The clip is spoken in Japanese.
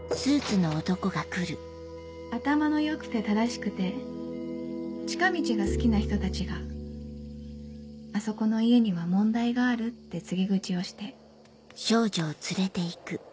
ノック頭の良くて正しくて近道が好きな人たちが「あそこの家には問題がある」って告げ口をして。